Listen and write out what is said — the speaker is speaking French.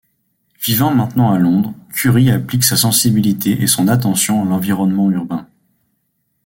Vivant maintenant à Londres, Currie applique sa sensibilité et son attention à l'environnement urbain.